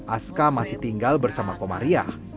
aska masih tinggal bersama komariah